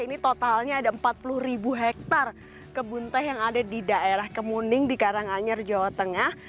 ini totalnya ada empat puluh ribu hektare kebun teh yang ada di daerah kemuning di karanganyar jawa tengah